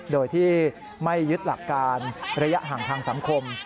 โดยที่ไม่ยึดหลักการระยะห่างทางสังคม